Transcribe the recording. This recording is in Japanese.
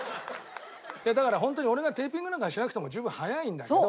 だからホントに俺がテーピングなんかしなくても十分速いんだけど。